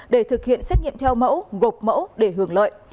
để thực hiện xét nghiệm theo mẫu gộp mẫu để hưởng lợi